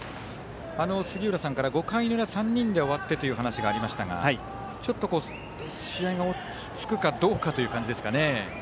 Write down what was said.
杉浦さんから５回の裏、３人で終わってというお話がありまして試合が落ち着くかどうかという感じですかね。